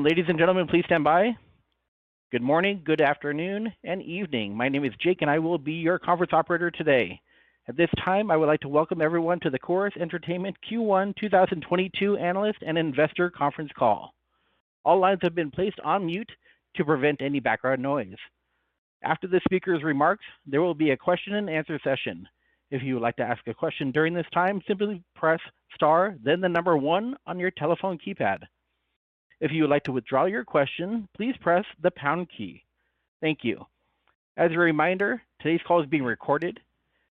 Ladies and gentlemen, please stand by. Good morning, good afternoon and evening. My name is Jake and I will be your conference operator today. At this time, I would like to welcome everyone to the Corus Entertainment Q1 2022 Analyst and Investor Conference Call. All lines have been placed on mute to prevent any background noise. After the speaker's remarks, there will be a question and answer session. If you would like to ask a question during this time, simply press star then the number one on your telephone keypad. If you would like to withdraw your question, please press the pound key. Thank you. As a reminder, today's call is being recorded.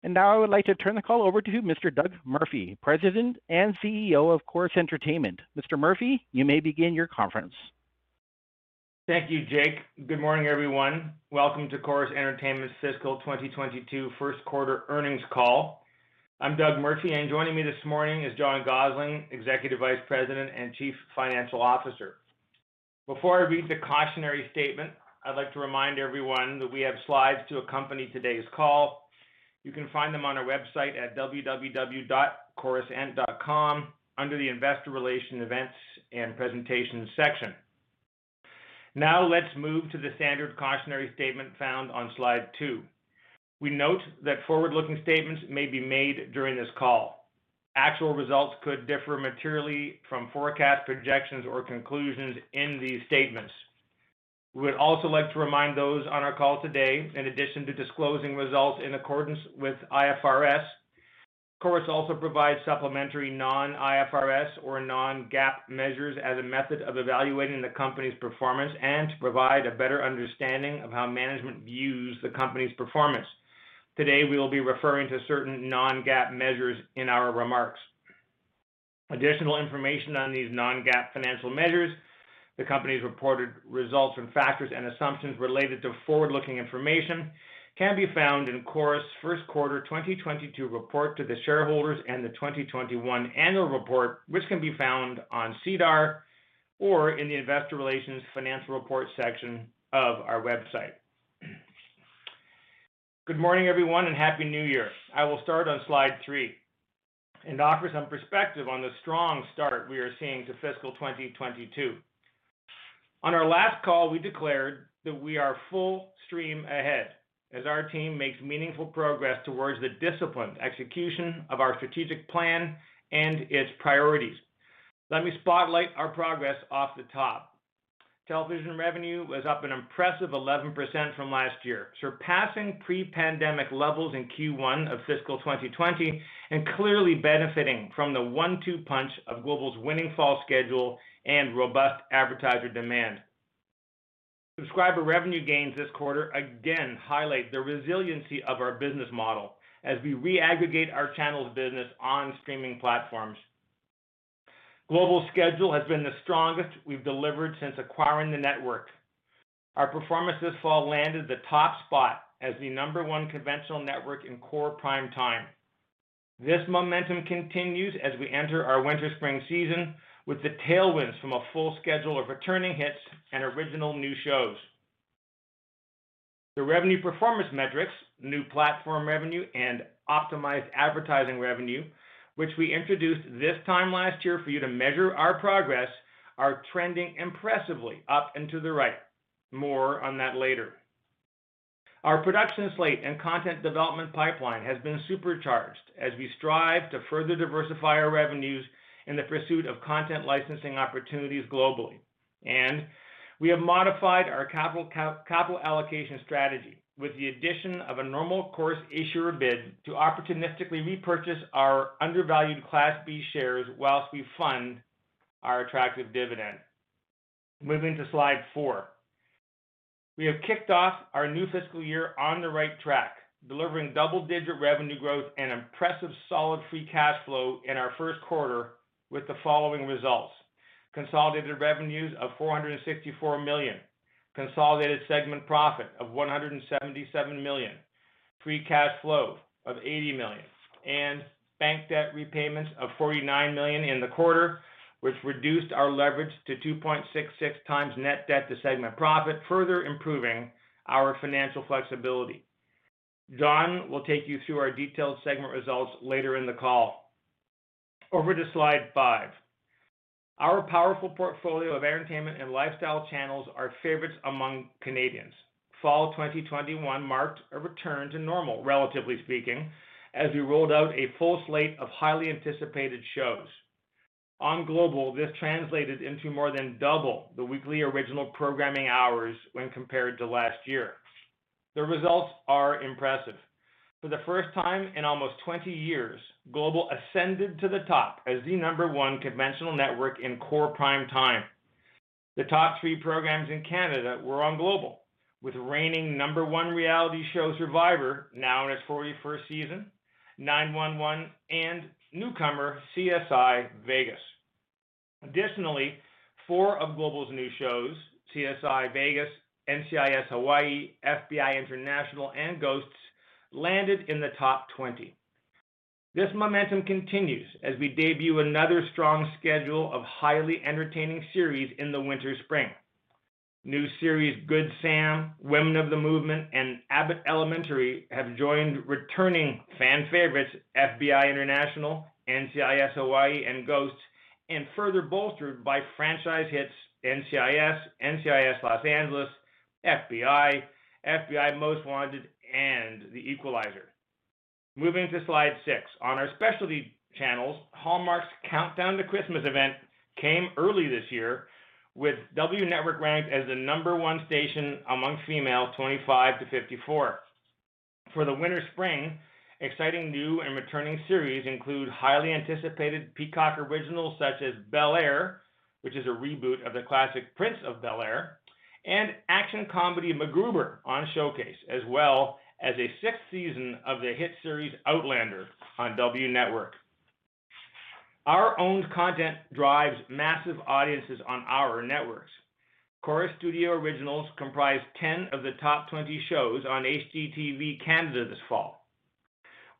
Now I would like to turn the call over to Mr. Doug Murphy, President and CEO of Corus Entertainment. Mr. Murphy, you may begin your conference. Thank you, Jake. Good morning, everyone. Welcome to Corus Entertainment fiscal 2022 Q1 earnings call. I'm Doug Murphy, and joining me this morning is John Gossling, Executive Vice President and Chief Financial Officer. Before I read the cautionary statement, I'd like to remind everyone that we have slides to accompany today's call. You can find them on our website at www.corusent.com under the Investor Relations Events and Presentations section. Now let's move to the standard cautionary statement found on slide two. We note that forward-looking statements may be made during this call. Actual results could differ materially from forecast projections or conclusions in these statements. We would also like to remind those on our call today, in addition to disclosing results in accordance with IFRS, Corus also provides supplementary non-IFRS or non-GAAP measures as a method of evaluating the company's performance and to provide a better understanding of how management views the company's performance. Today, we will be referring to certain non-GAAP measures in our remarks. Additional information on these non-GAAP financial measures, the company's reported results, and factors and assumptions related to forward-looking information can be found in Corus Q1 2022 report to the shareholders and the 2021 annual report, which can be found on SEDAR or in the Investor Relations Financial Report section of our website. Good morning, everyone, and happy New Year. I will start on slide three and offer some perspective on the strong start we are seeing to fiscal 2022. On our last call, we declared that we are full stream ahead as our team makes meaningful progress towards the disciplined execution of our strategic plan and its priorities. Let me spotlight our progress off the top. Television revenue was up an impressive 11% from last year, surpassing pre-pandemic levels in Q1 of fiscal 2020 and clearly benefiting from the one-two punch of Global's winning fall schedule and robust advertiser demand. Subscriber revenue gains this quarter again highlight the resiliency of our business model as we re-aggregate our channels business on streaming platforms. Global's schedule has been the strongest we've delivered since acquiring the network. Our performance this fall landed the top spot as the number one conventional network in core prime time. This momentum continues as we enter our winter-spring season with the tailwinds from a full schedule of returning hits and original new shows. The revenue performance metrics, new platform revenue, and optimized advertising revenue, which we introduced this time last year for you to measure our progress, are trending impressively up and to the right. More on that later. Our production slate and content development pipeline has been supercharged as we strive to further diversify our revenues in the pursuit of content licensing opportunities globally. We have modified our capital allocation strategy with the addition of a normal course issuer bid to opportunistically repurchase our undervalued Class B shares while we fund our attractive dividend. Moving to slide four. We have kicked off our new fiscal year on the right track, delivering double-digit revenue growth and impressively solid free cash flow in our Q1 with the following results. Consolidated revenues of 464 million, consolidated segment profit of 177 million, free cash flow of 80 million, and bank debt repayments of 49 million in the quarter, which reduced our leverage to 2.66x net debt to segment profit, further improving our financial flexibility. John will take you through our detailed segment results later in the call. Over to slide five. Our powerful portfolio of entertainment and lifestyle channels are favorites among Canadians. Fall 2021 marked a return to normal, relatively speaking, as we rolled out a full slate of highly anticipated shows. On Global, this translated into more than double the weekly original programming hours when compared to last year. The results are impressive. For the first time in almost 20 years, Global ascended to the top as the number one conventional network in core prime time. The top three programs in Canada were on Global, with reigning number one reality show Survivor, now in its 41st season, 911, and newcomer CSI: Vegas. Additionally, four of Global's new shows, CSI: Vegas, NCIS: Hawaii, FBI: International, and Ghosts, landed in the top 20. This momentum continues as we debut another strong schedule of highly entertaining series in the winter, spring. New series Good Sam, Women of the Movement, and Abbott Elementary have joined returning fan favorites FBI: International, NCIS: Hawaii, and Ghosts, and further bolstered by franchise hits NCIS: Los Angeles, FBI: Most Wanted, and The Equalizer. Moving to slide six. On our specialty channels, Hallmark's Countdown to Christmas event came early this year, with W Network ranked as the number one station among females 25-54. For the winter/spring, exciting new and returning series include highly anticipated Peacock originals such as Bel-Air, which is a reboot of the classic Prince of Bel-Air, and action-comedy MacGruber on Showcase, as well as a sixth season of the hit series Outlander on W Network. Our owned content drives massive audiences on our networks. Corus Studios Originals comprised 10 of the top 20 shows on HGTV Canada this fall.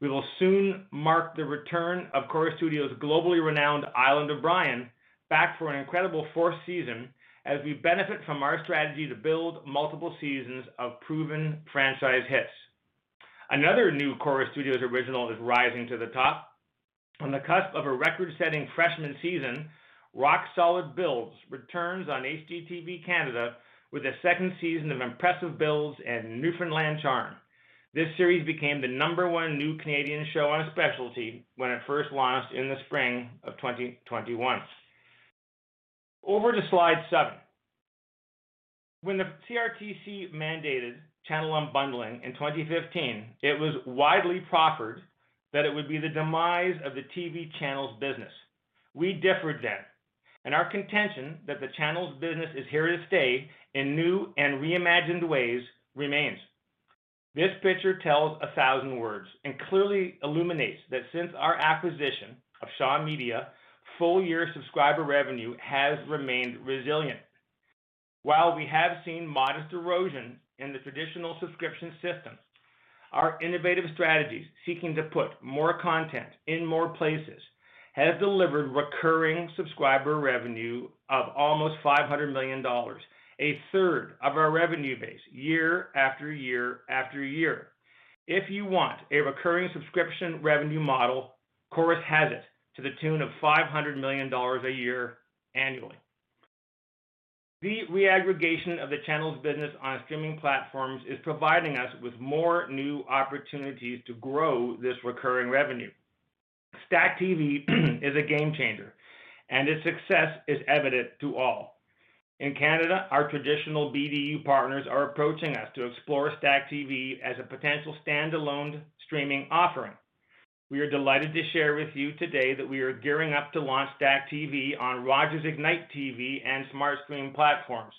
We will soon mark the return of Corus Studios' globally renowned Island of Bryan, back for an incredible fourth season as we benefit from our strategy to build multiple seasons of proven franchise hits. Another new Corus Studios original is rising to the top. On the cusp of a record-setting freshman season, Rock Solid Builds returns on HGTV Canada with a second season of impressive builds and Newfoundland charm. This series became the number one new Canadian show on a specialty when it first launched in the spring of 2021. Over to slide seven. When the CRTC mandated channel unbundling in 2015, it was widely purported that it would be the demise of the TV channels business. We differed then, and our contention that the channels business is here to stay in new and reimagined ways remains. This picture tells a thousand words and clearly illuminates that since our acquisition of Shaw Media, full-year subscriber revenue has remained resilient. While we have seen modest erosion in the traditional subscription systems, our innovative strategies seeking to put more content in more places has delivered recurring subscriber revenue of almost 500 million dollars, a third of our revenue base, year after year after year. If you want a recurring subscription revenue model, Corus has it to the tune of 500 million dollars a year annually. The reaggregation of the channels business on streaming platforms is providing us with more new opportunities to grow this recurring revenue. STACKTV is a game changer, and its success is evident to all. In Canada, our traditional BDU partners are approaching us to explore STACKTV as a potential standalone streaming offering. We are delighted to share with you today that we are gearing up to launch STACKTV on Rogers Ignite TV and Ignite SmartStream platforms.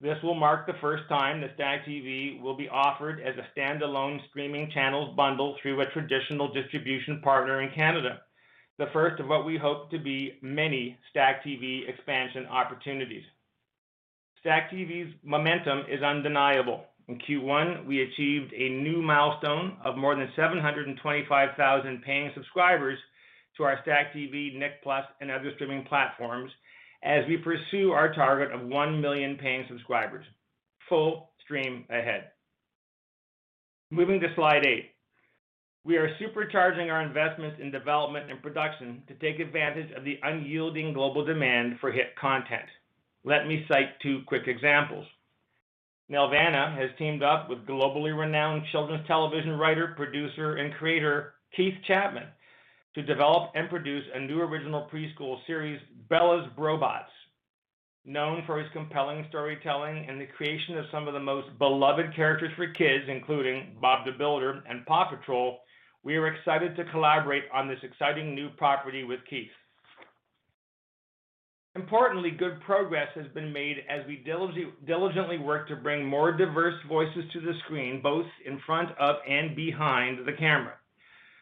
This will mark the first time that STACKTV will be offered as a standalone streaming channels bundle through a traditional distribution partner in Canada, the first of what we hope to be many STACKTV expansion opportunities. STACKTV's momentum is undeniable. In Q1, we achieved a new milestone of more than 725,000 paying subscribers to our STACKTV, Nick+, and other streaming platforms as we pursue our target of 1 million paying subscribers. Full stream ahead. Moving to slide eight. We are supercharging our investments in development and production to take advantage of the unyielding global demand for hit content. Let me cite two quick examples. Nelvana has teamed up with globally renowned children's television writer, producer, and creator Keith Chapman to develop and produce a new original preschool series, Bella's Bro-Bots. Known for his compelling storytelling and the creation of some of the most beloved characters for kids, including Bob the Builder and PAW Patrol, we are excited to collaborate on this exciting new property with Keith. Importantly, good progress has been made as we diligently work to bring more diverse voices to the screen, both in front of and behind the camera.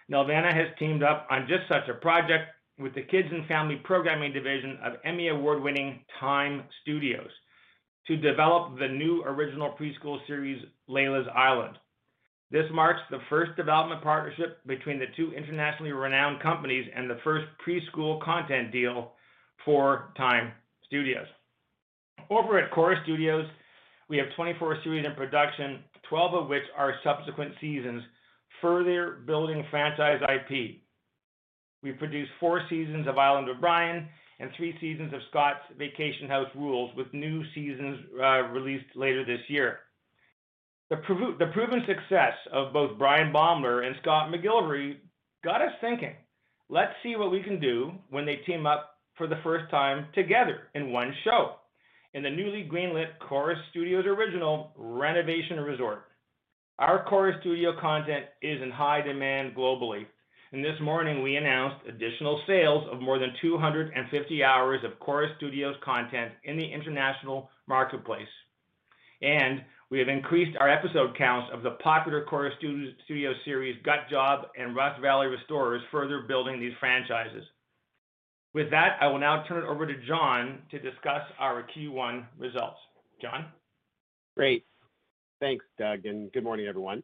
Nelvana has teamed up on just such a project with the kids and family programming division of Emmy Award-winning TIME Studios to develop the new original preschool series, Leela's Island. This marks the first development partnership between the two internationally renowned companies and the first preschool content deal for TIME Studios. Over at Corus Studios, we have 24 series in production, 12 of which are subsequent seasons, further building franchise IP. We produced four seasons of Island of Bryan and three seasons of Scott's Vacation House Rules with new seasons released later this year. The proven success of both Bryan Baeumler and Scott McGillivray got us thinking, "Let's see what we can do when they team up for the first time together in one show," in the newly greenlit Corus Studios original, Renovation Resort. Our Corus Studios content is in high demand globally. This morning, we announced additional sales of more than 250 hours of Corus Studios content in the international marketplace. We have increased our episode counts of the popular Corus Studios series, Gut Job and Rust Valley Restorers, further building these franchises. With that, I will now turn it over to John to discuss our Q1 results. John? Great. Thanks, Doug, and good morning, everyone.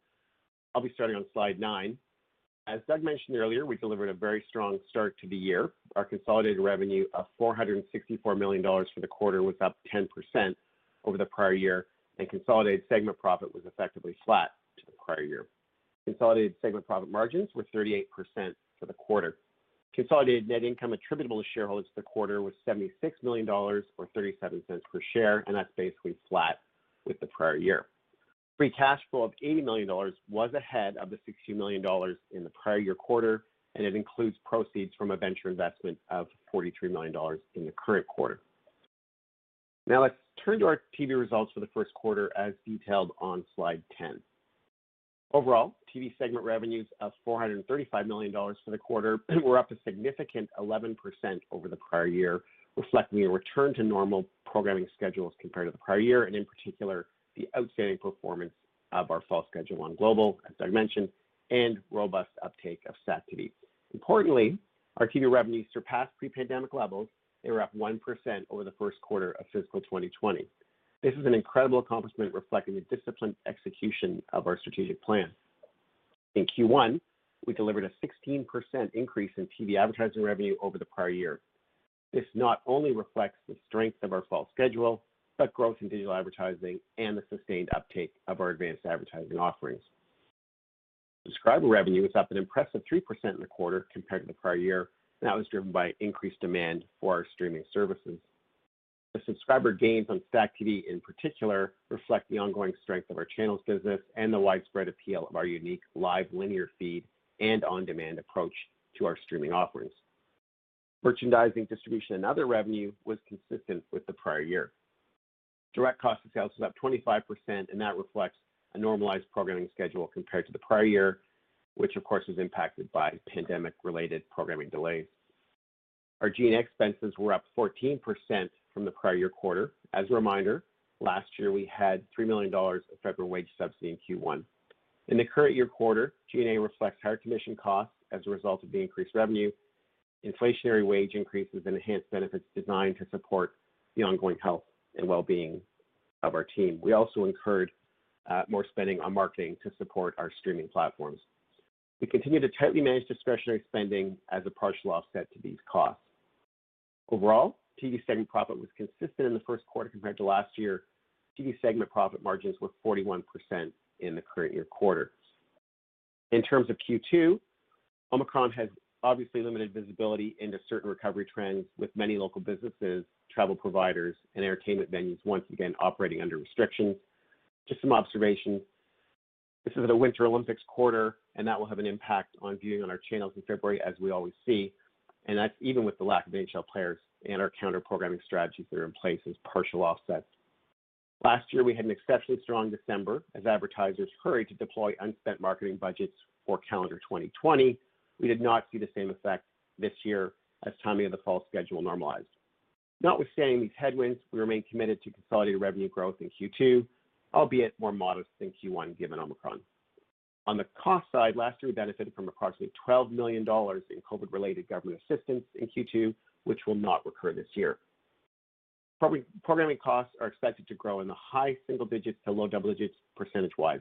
I'll be starting on slide nine. As Doug mentioned earlier, we delivered a very strong start to the year. Our consolidated revenue of 464 million dollars for the quarter was up 10% over the prior year, and consolidated segment profit was effectively flat to the prior year. Consolidated segment profit margins were 38% for the quarter. Consolidated net income attributable to shareholders for the quarter was 76 million dollars, or 0.37 per share, and that's basically flat with the prior year. Free cash flow of 80 million dollars was ahead of 60 million dollars in the prior year quarter, and it includes proceeds from a venture investment of 43 million dollars in the current quarter. Now let's turn to our TV results for the Q1 as detailed on slide 10. Overall, TV segment revenues of 435 million dollars for the quarter were up a significant 11% over the prior year, reflecting a return to normal programming schedules compared to the prior year and in particular, the outstanding performance of our fall schedule on Global, as Doug mentioned, and robust uptake of STACKTV. Importantly, our TV revenues surpassed pre-pandemic levels. They were up 1% over the Q1 of fiscal 2020. This is an incredible accomplishment reflecting the disciplined execution of our strategic plan. In Q1, we delivered a 16% increase in TV advertising revenue over the prior year. This not only reflects the strength of our fall schedule, but growth in digital advertising and the sustained uptake of our advanced advertising offerings. Subscriber revenue was up an impressive 3% in the quarter compared to the prior year. That was driven by increased demand for our streaming services. The subscriber gains on STACKTV in particular reflect the ongoing strength of our channels business and the widespread appeal of our unique live linear feed and on-demand approach to our streaming offerings. Merchandising, distribution, and other revenue was consistent with the prior year. Direct cost of sales was up 25%, and that reflects a normalized programming schedule compared to the prior year, which of course, was impacted by pandemic-related programming delays. Our G&A expenses were up 14% from the prior year quarter. As a reminder, last year we had 3 million dollars of federal wage subsidy in Q1. In the current year quarter, G&A reflects higher commission costs as a result of the increased revenue, inflationary wage increases, and enhanced benefits designed to support the ongoing health and well-being of our team. We also incurred more spending on marketing to support our streaming platforms. We continue to tightly manage discretionary spending as a partial offset to these costs. Overall, TV segment profit was consistent in the Q1 compared to last year. TV segment profit margins were 41% in the current year quarter. In terms of Q2, Omicron has obviously limited visibility into certain recovery trends with many local businesses, travel providers, and entertainment venues once again operating under restrictions. Just some observations. This is the Winter Olympics quarter, and that will have an impact on viewing on our channels in February, as we always see. That's even with the lack of NHL players and our counter-programming strategies that are in place as partial offsets. Last year, we had an exceptionally strong December as advertisers hurried to deploy unspent marketing budgets for calendar 2020. We did not see the same effect this year as timing of the fall schedule normalized. Notwithstanding these headwinds, we remain committed to consolidated revenue growth in Q2, albeit more modest than Q1 given Omicron. On the cost side, last year we benefited from approximately 12 million dollars in COVID-related government assistance in Q2, which will not recur this year. Programming costs are expected to grow in the high single digits-low double digits %.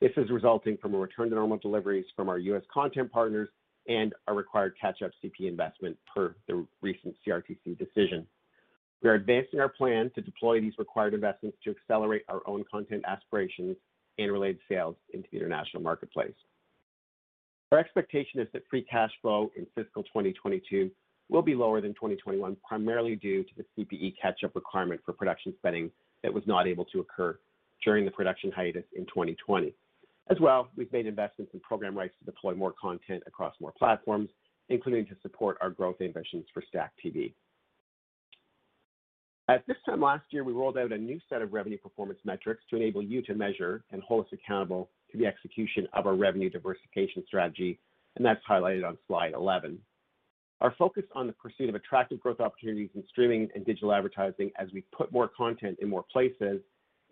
This is resulting from a return to normal deliveries from our U.S. content partners and our required catch-up CPE investment per the recent CRTC decision. We are advancing our plan to deploy these required investments to accelerate our own content aspirations and related sales into the international marketplace. Our expectation is that free cash flow in fiscal 2022 will be lower than 2021, primarily due to the CPE catch-up requirement for production spending that was not able to occur during the production hiatus in 2020. We've made investments in program rights to deploy more content across more platforms, including to support our growth ambitions for STACKTV. At this time last year, we rolled out a new set of revenue performance metrics to enable you to measure and hold us accountable to the execution of our revenue diversification strategy, and that's highlighted on slide 11. Our focus on the pursuit of attractive growth opportunities in streaming and digital advertising as we put more content in more places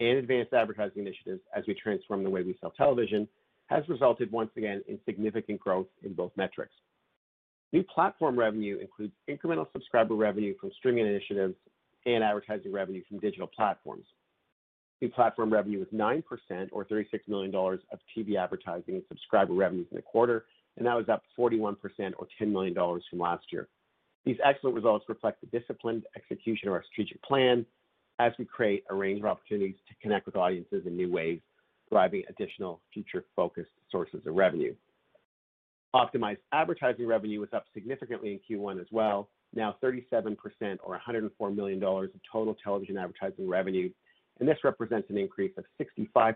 and advanced advertising initiatives as we transform the way we sell television has resulted once again in significant growth in both metrics. New platform revenue includes incremental subscriber revenue from streaming initiatives and advertising revenue from digital platforms. New platform revenue is 9% or 36 million dollars of TV advertising and subscriber revenues in the quarter, and that was up 41% or 10 million dollars from last year. These excellent results reflect the disciplined execution of our strategic plan as we create a range of opportunities to connect with audiences in new ways, driving additional future-focused sources of revenue. Optimized advertising revenue was up significantly in Q1 as well, now 37% or 104 million dollars of total television advertising revenue. This represents an increase of 65%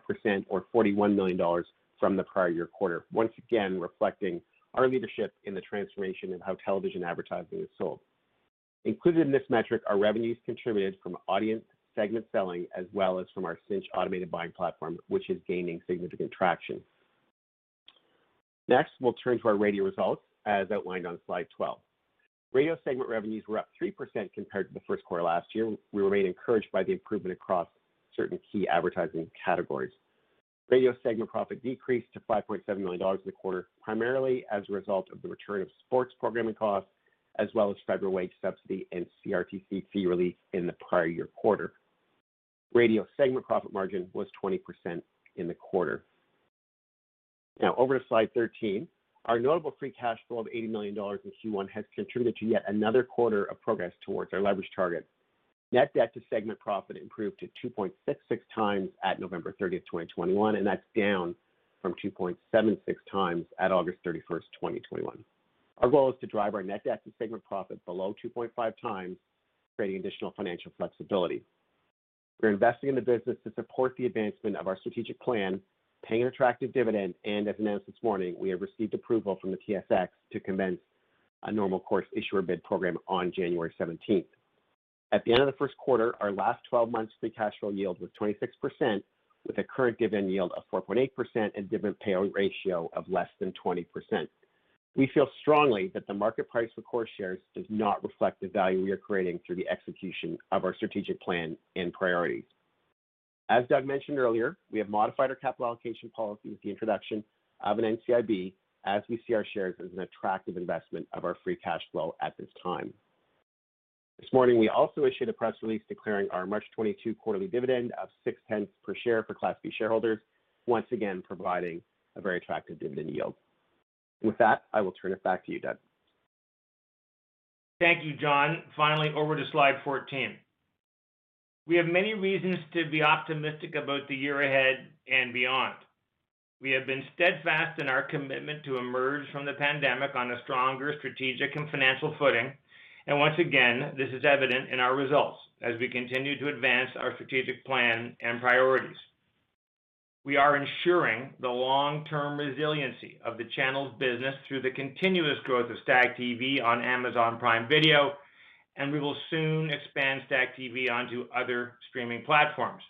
or 41 million dollars from the prior year quarter, once again reflecting our leadership in the transformation of how television advertising is sold. Included in this metric are revenues contributed from audience segment selling, as well as from our Synch automated buying platform, which is gaining significant traction. Next, we'll turn to our radio results as outlined on slide 12. Radio segment revenues were up 3% compared to the Q1 last year. We remain encouraged by the improvement across certain key advertising categories. Radio segment profit decreased to 5.7 million dollars in the quarter, primarily as a result of the return of sports programming costs as well as federal wage subsidy and CRTC fee relief in the prior year quarter. Radio segment profit margin was 20% in the quarter. Now over to slide 13. Our notable free cash flow of 80 million dollars in Q1 has contributed to yet another quarter of progress towards our leverage target. Net debt to segment profit improved to 2.66x at November 30, 2021, and that's down from 2.76x at August 31st, 2021. Our goal is to drive our net debt to segment profit below 2.5x, creating additional financial flexibility. We're investing in the business to support the advancement of our strategic plan, paying an attractive dividend, and as announced this morning, we have received approval from the TSX to commence a normal course issuer bid program on January 17th. At the end of the Q1, our last 12 months free cash flow yield was 26%, with a current dividend yield of 4.8% and dividend payout ratio of less than 20%. We feel strongly that the market price for Corus shares does not reflect the value we are creating through the execution of our strategic plan and priorities. As Doug mentioned earlier, we have modified our capital allocation policy with the introduction of an NCIB as we see our shares as an attractive investment of our free cash flow at this time. This morning, we also issued a press release declaring our March 2022 quarterly dividend of 0.6 per share for Class B shareholders, once again providing a very attractive dividend yield. With that, I will turn it back to you, Doug. Thank you, John. Finally, over to slide 14. We have many reasons to be optimistic about the year ahead and beyond. We have been steadfast in our commitment to emerge from the pandemic on a stronger strategic and financial footing. Once again, this is evident in our results as we continue to advance our strategic plan and priorities. We are ensuring the long-term resiliency of the channel's business through the continuous growth of STACKTV on Amazon Prime Video, and we will soon expand STACKTV onto other streaming platforms.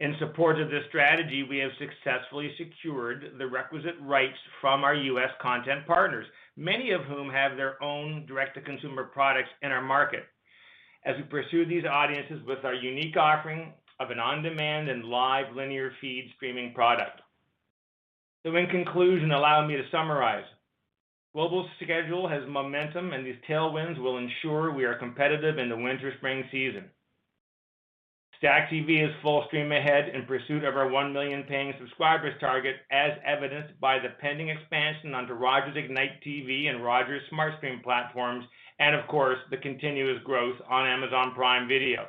In support of this strategy, we have successfully secured the requisite rights from our U.S. content partners, many of whom have their own direct-to-consumer products in our market, as we pursue these audiences with our unique offering of an on-demand and live linear feed streaming product. In conclusion, allow me to summarize. Global's schedule has momentum, and these tailwinds will ensure we are competitive in the winter spring season. STACKTV is full stream ahead in pursuit of our 1 million paying subscribers target, as evidenced by the pending expansion onto Rogers Ignite TV and Rogers Ignite SmartStream platforms and, of course, the continuous growth on Amazon Prime Video.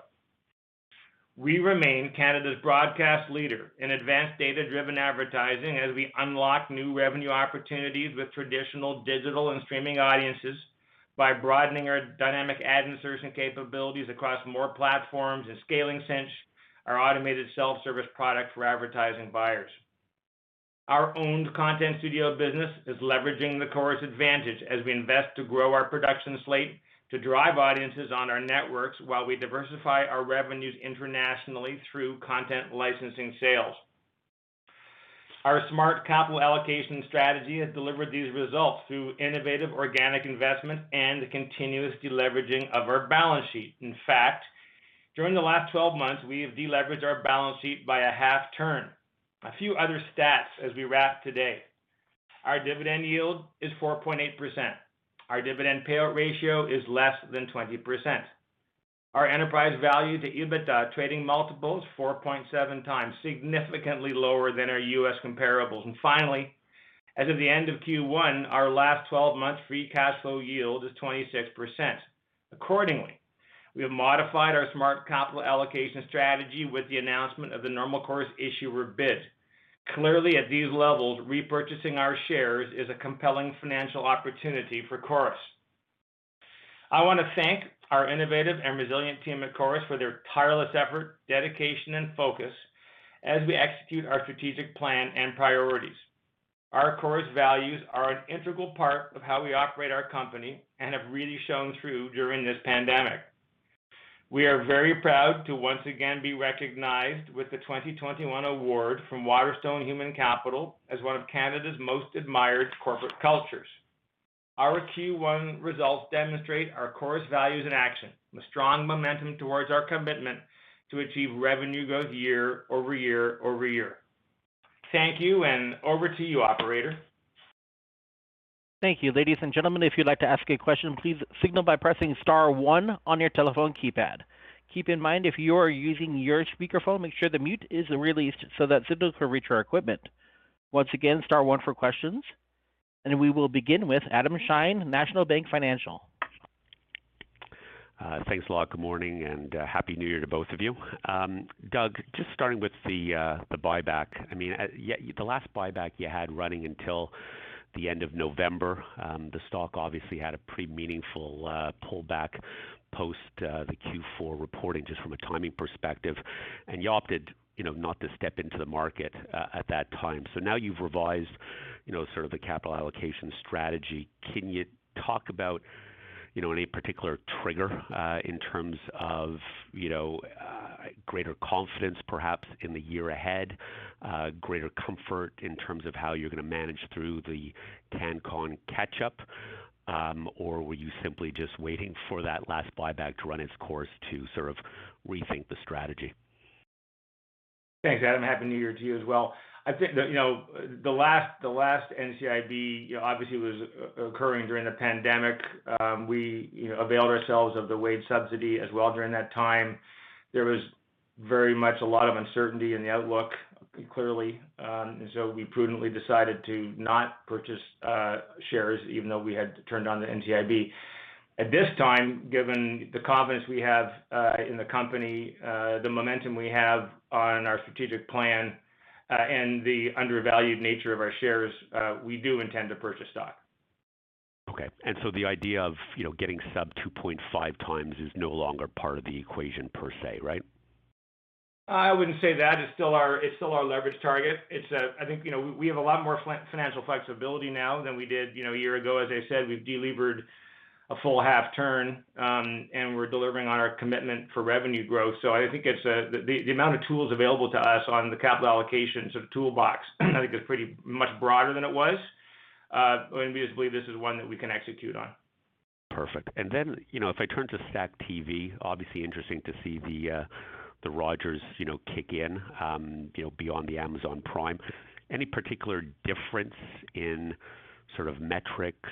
We remain Canada's broadcast leader in advanced data-driven advertising as we unlock new revenue opportunities with traditional digital and streaming audiences by broadening our dynamic ad insertion capabilities across more platforms and scaling Synch, our automated self-service product for advertising buyers. Our owned content studio business is leveraging the Corus Advantage as we invest to grow our production slate to drive audiences on our networks while we diversify our revenues internationally through content licensing sales. Our smart capital allocation strategy has delivered these results through innovative organic investment and the continuous deleveraging of our balance sheet. In fact, during the last 12 months, we have deleveraged our balance sheet by a half turn. A few other stats as we wrap today. Our dividend yield is 4.8%. Our dividend payout ratio is less than 20%. Our enterprise value to EBITDA trading multiples 4.7x, significantly lower than our U.S. comparables. Finally, as of the end of Q1, our last 12 months free cash flow yield is 26%. Accordingly, we have modified our smart capital allocation strategy with the announcement of the normal course issuer bid. Clearly, at these levels, repurchasing our shares is a compelling financial opportunity for Corus. I want to thank our innovative and resilient team at Corus for their tireless effort, dedication, and focus as we execute our strategic plan and priorities. Our Corus values are an integral part of how we operate our company and have really shown through during this pandemic. We are very proud to once again be recognized with the 2021 award from Waterstone Human Capital as one of Canada's most admired corporate cultures. Our Q1 results demonstrate our Corus values in action with strong momentum towards our commitment to achieve revenue growth year-over-year. Thank you, and over to you, operator. Thank you. Ladies and gentlemen, if you'd like to ask a question, please signal by pressing star one on your telephone keypad. Keep in mind, if you are using your speakerphone, make sure the mute is released so that signals can reach our equipment. Once again, star one for questions, and we will begin with Adam Shine, National Bank Financial. Thanks a lot. Good morning and happy New Year to both of you. Doug, just starting with the buyback. I mean, at the last buyback you had running until the end of November, the stock obviously had a pretty meaningful pullback post the Q4 reporting just from a timing perspective. You opted, you know, not to step into the market at that time. Now you've revised, you know, sort of the capital allocation strategy. Can you talk about, you know, any particular trigger in terms of, you know, greater confidence perhaps in the year ahead, greater comfort in terms of how you're going to manage through the CanCon catch-up? Or were you simply just waiting for that last buyback to run its course to sort of rethink the strategy? Thanks, Adam. Happy New Year to you as well. I think that, you know, the last NCIB, you know, obviously was occurring during the pandemic. We, you know, availed ourselves of the wage subsidy as well during that time. There was very much a lot of uncertainty in the outlook, clearly, and so we prudently decided to not purchase shares even though we had turned on the NCIB. At this time, given the confidence we have in the company, the momentum we have on our strategic plan, and the undervalued nature of our shares, we do intend to purchase stock. The idea of, you know, getting sub 2.5x is no longer part of the equation per se, right? I wouldn't say that. It's still our leverage target. It's, I think, you know, we have a lot more financial flexibility now than we did, you know, a year ago. As I said, we've delevered a full half turn, and we're delivering on our commitment for revenue growth. So I think it's the amount of tools available to us on the capital allocation sort of toolbox, I think is pretty much broader than it was. And we just believe this is one that we can execute on. Perfect. Then, you know, if I turn to STACKTV, obviously interesting to see the Rogers, you know, kick in, you know, beyond the Amazon Prime. Any particular difference in sort of metrics,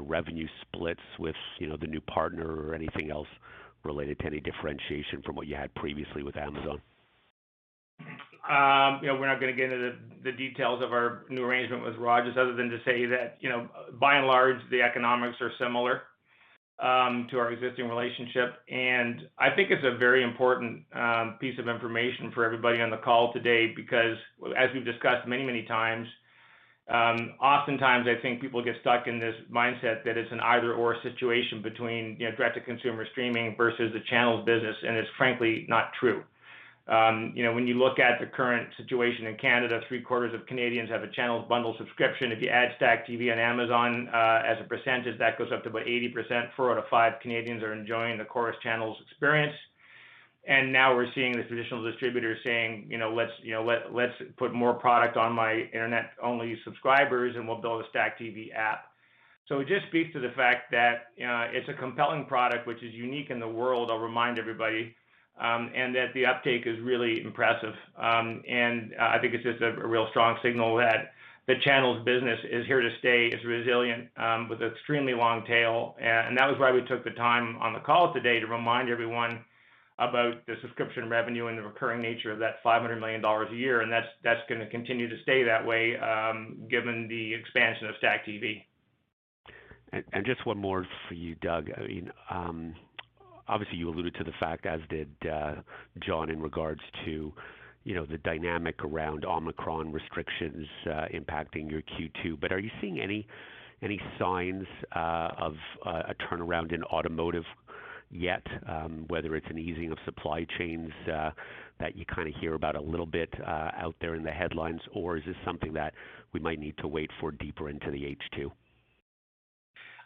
revenue splits with, you know, the new partner or anything else related to any differentiation from what you had previously with Amazon? You know, we're not gonna get into the details of our new arrangement with Rogers other than to say that, you know, by and large, the economics are similar to our existing relationship. I think it's a very important piece of information for everybody on the call today because, as we've discussed many, many times, oftentimes I think people get stuck in this mindset that it's an either/or situation between, you know, direct to consumer streaming versus the channels business, and it's frankly not true. You know, when you look at the current situation in Canada, three-quarters of Canadians have a channels bundle subscription. If you add StackTV on Amazon, as a percentage, that goes up to about 80%. Four out of five Canadians are enjoying the Corus channels experience. Now we're seeing the traditional distributors saying, you know, let's put more product on my Internet-only subscribers, and we'll build a STACKTV app. It just speaks to the fact that it's a compelling product which is unique in the world, I'll remind everybody, and that the uptake is really impressive. I think it's just a real strong signal that the channels business is here to stay, it's resilient, with extremely long tail. That was why we took the time on the call today to remind everyone about the subscription revenue and the recurring nature of that 500 million dollars a year, and that's gonna continue to stay that way, given the expansion of STACKTV. Just one more for you, Doug. I mean, obviously you alluded to the fact, as did John, in regards to, you know, the dynamic around Omicron restrictions impacting your Q2. Are you seeing any signs of a turnaround in automotive yet, whether it's an easing of supply chains that you kinda hear about a little bit out there in the headlines, or is this something that we might need to wait for deeper into the H2?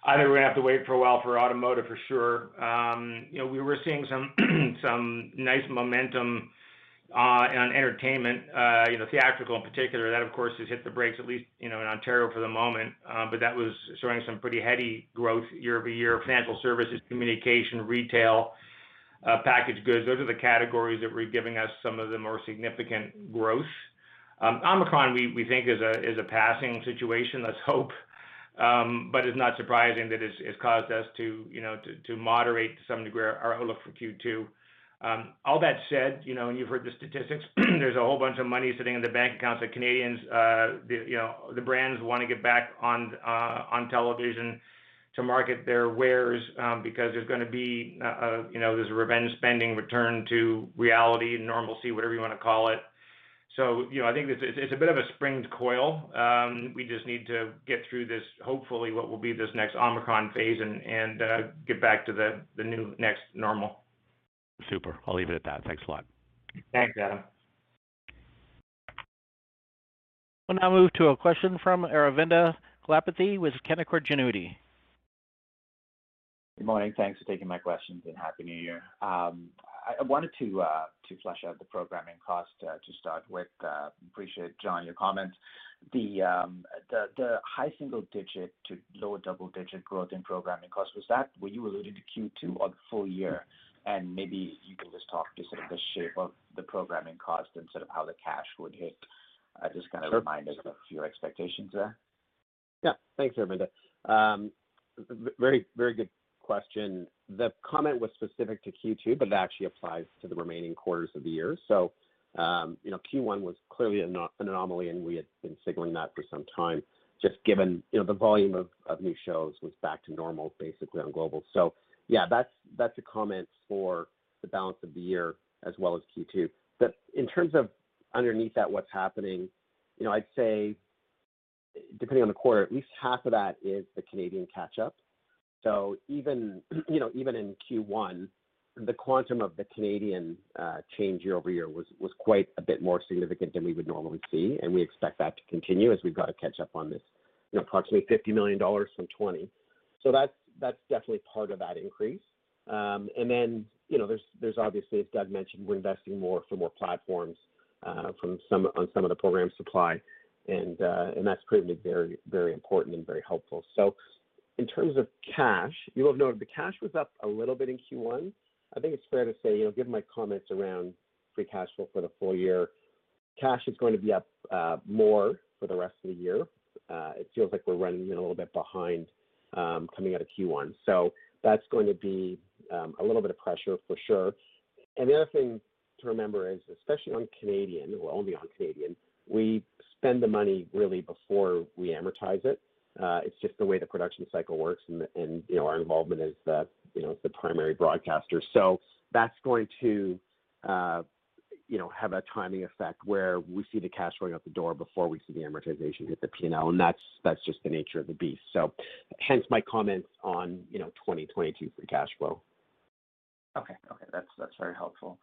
I think we're gonna have to wait for a while for automotive for sure. You know, we were seeing some nice momentum on entertainment, you know, theatrical in particular. That, of course, has hit the brakes, at least, you know, in Ontario for the moment. But that was showing some pretty heady growth year-over-year. Financial services, communication, retail, packaged goods, those are the categories that were giving us some of the more significant growth. Omicron, we think is a passing situation, let's hope. But it's not surprising that it's caused us to moderate to some degree our outlook for Q2. All that said, you know, you've heard the statistics, there's a whole bunch of money sitting in the bank accounts of Canadians. You know, the brands wanna get back on television to market their wares, because there's gonna be, you know, a revenge spending return to reality, normalcy, whatever you wanna call it. You know, I think it's a bit of a sprung coil. We just need to get through this, hopefully, what will be this next Omicron phase and get back to the new next normal. Super. I'll leave it at that. Thanks a lot. Thanks, Adam. We'll now move to a question from Aravinda Galappatthige with Canaccord Genuity. Good morning. Thanks for taking my questions, and Happy New Year. I wanted to flesh out the programming cost to start with. Appreciate, John, your comments. The high single-digit to lower double-digit growth in programming costs, was that what you alluded to Q2 or the full year? Maybe you can just talk to sort of the shape of the programming cost and sort of how the cash would hit. Just kind of remind us of your expectations there. Thanks, Aravinda. Very good question. The comment was specific to Q2, but that actually applies to the remaining quarters of the year. Q1 was clearly an anomaly, and we had been signaling that for some time, just given the volume of new shows was back to normal, basically, on Global. That's a comment for the balance of the year as well as Q2. In terms of underneath that, what's happening, I'd say depending on the quarter, at least half of that is the Canadian catch-up. Even, you know, even in Q1, the quantum of the Canadian change year-over-year was quite a bit more significant than we would normally see, and we expect that to continue as we've got to catch up on this, you know, approximately 50 million dollars from 2020. That's definitely part of that increase. You know, there's obviously, as Doug mentioned, we're investing more for more platforms on some of the program supply, and that's proven very, very important and very helpful. In terms of cash, you will have noted the cash was up a little bit in Q1. I think it's fair to say, you know, given my comments around free cash flow for the full year, cash is going to be up more for the rest of the year. It feels like we're running a little bit behind coming out of Q1. That's going to be a little bit of pressure for sure. The other thing to remember is, especially on Canadian, or only on Canadian, we spend the money really before we amortize it. It's just the way the production cycle works and you know, our involvement as the primary broadcaster. That's going to, you know, have a timing effect, where we see the cash going out the door before we see the amortization hit the P&L, and that's just the nature of the beast. Hence my comments on 2022 free cash flow. That's very helpful.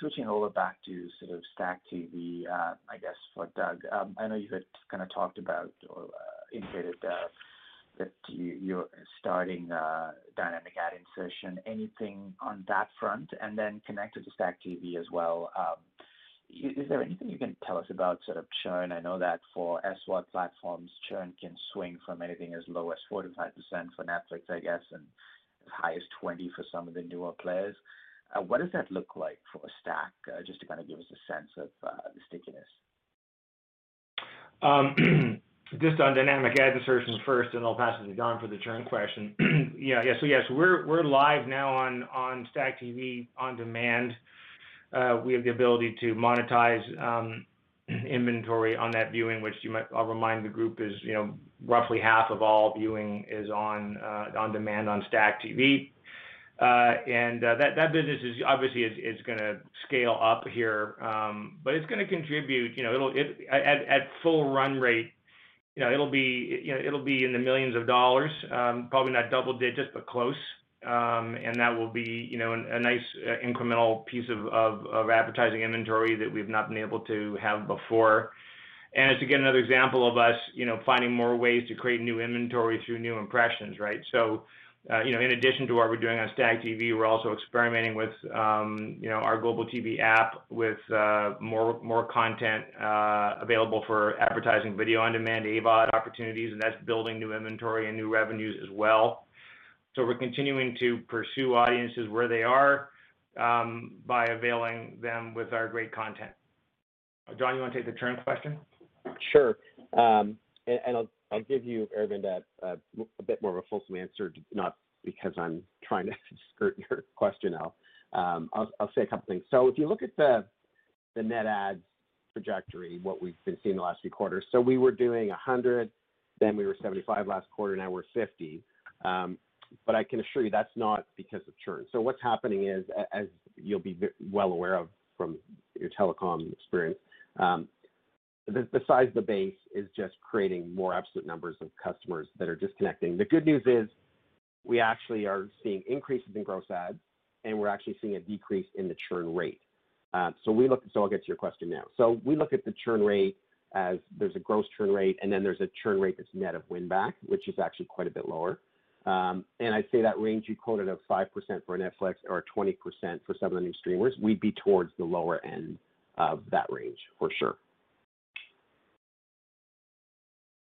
Switching over back to sort of STACKTV, I guess for Doug. I know you had kinda talked about or indicated that you're starting dynamic ad insertion. Anything on that front? Connected to STACKTV as well, is there anything you can tell us about sort of churn? I know that for SVOD platforms, churn can swing from anything as low as 4%-5% for Netflix, I guess, and as high as 20% for some of the newer players. What does that look like for Stack just to kinda give us a sense of the stickiness? Just on dynamic ad insertion first, and I'll pass it to John for the churn question. Yeah. Yes, we're live now on STACKTV on demand. We have the ability to monetize inventory on that viewing. I'll remind the group that roughly half of all viewing is on demand on STACKTV. That business is obviously gonna scale up here. It's gonna contribute, you know. It'll be at full run rate, you know, in the millions dollars, probably not double digits, but close. That will be a nice incremental piece of advertising inventory that we've not been able to have before. It's, again, another example of us, you know, finding more ways to create new inventory through new impressions, right? You know, in addition to what we're doing on STACKTV, we're also experimenting with, you know, our Global TV app with more content available for advertising video on demand, AVOD opportunities, and that's building new inventory and new revenues as well. We're continuing to pursue audiences where they are, by availing them with our great content. John, you wanna take the churn question? Sure. I'll give you, Arvind, a bit more of a fulsome answer, not because I'm trying to skirt your question, Al. I'll say a couple things. If you look at the net adds trajectory, what we've been seeing the last few quarters, we were doing 100, then we were 75 last quarter, now we're 50. I can assure you that's not because of churn. What's happening is, as you'll be well aware of from your telecom experience, the size of the base is just creating more absolute numbers of customers that are disconnecting. The good news is we actually are seeing increases in gross adds, and we're actually seeing a decrease in the churn rate. I'll get to your question now. We look at the churn rate as there's a gross churn rate, and then there's a churn rate that's net of win back, which is actually quite a bit lower. I'd say that range you quoted of 5% for Netflix or 20% for some of the new streamers, we'd be towards the lower end of that range for sure.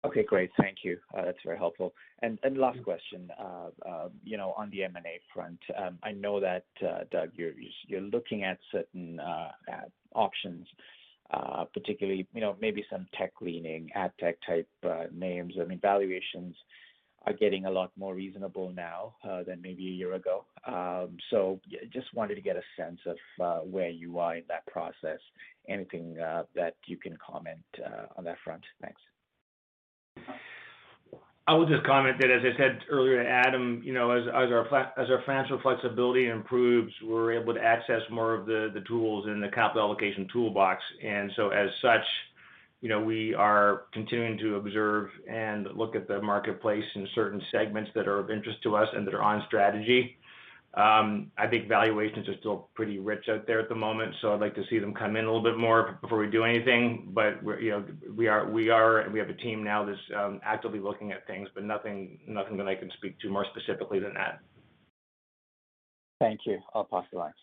Okay, great. Thank you. That's very helpful. Last question. You know, on the M&A front, I know that, Doug, you're looking at certain options, particularly, you know, maybe some tech leaning, ad tech type names. I mean, valuations are getting a lot more reasonable now, than maybe a year ago. Just wanted to get a sense of where you are in that process. Anything that you can comment on that front? Thanks. I would just comment that as I said earlier to Adam, you know, as our financial flexibility improves, we're able to access more of the tools in the capital allocation toolbox. As such, you know, we are continuing to observe and look at the marketplace in certain segments that are of interest to us and that are on strategy. I think valuations are still pretty rich out there at the moment, so I'd like to see them come in a little bit more before we do anything. We're, you know, we have a team now that's actively looking at things, but nothing that I can speak to more specifically than that. Thank you. I'll pass the line.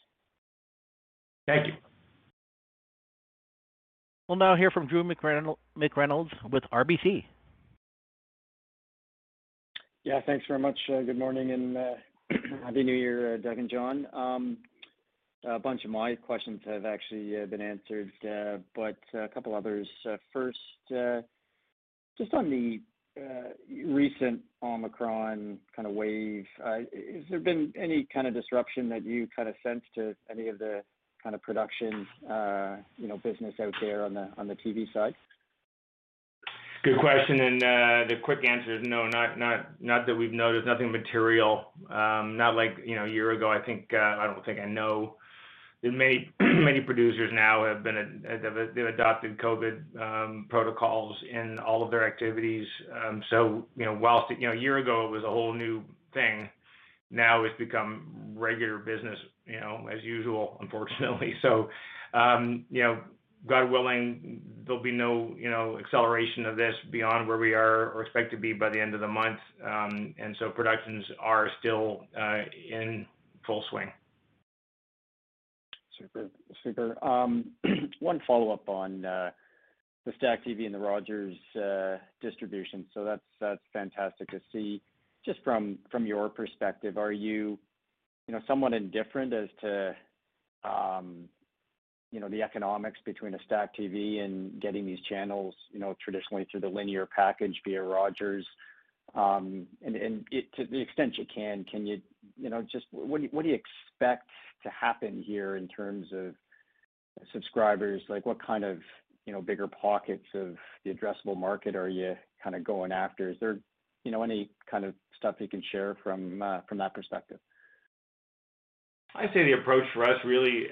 Thank you. We'll now hear from Drew McReynolds with RBC. Yeah. Thanks very much. Good morning and happy New Year, Doug and John. A bunch of my questions have actually been answered, but a couple others. First, just on the recent Omicron kind of wave, has there been any kind of disruption that you kind of sense to any of the kind of production, you know, business out there on the TV side? Good question, the quick answer is no, not that we've noticed. Nothing material. Not like, you know, a year ago, I think, I don't think I know that many producers now have adopted COVID protocols in all of their activities. You know, while, you know, a year ago it was a whole new thing, now it's become regular business, you know, as usual, unfortunately. You know, God willing, there'll be no, you know, acceleration of this beyond where we are or expect to be by the end of the month. Productions are still in full swing. Super. One follow-up on the STACKTV and the Rogers distribution. So that's fantastic to see. Just from your perspective, are you somewhat indifferent as to the economics between a STACKTV and getting these channels traditionally through the linear package via Rogers? To the extent you can you just what do you expect to happen here in terms of subscribers? Like, what kind of bigger pockets of the addressable market are you kinda going after? Is there any kind of stuff you can share from that perspective? I'd say the approach for us really,